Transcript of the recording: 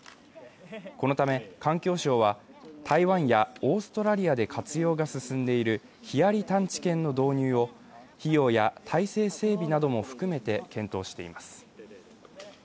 このため環境省は、台湾やオーストラリアで活用が進んでいるヒアリ探知犬の導入を費用や体制整備なども含めて検討しています。